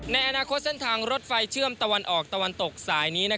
ในอนาคตเส้นทางรถไฟเชื่อมตะวันออกตะวันตกสายนี้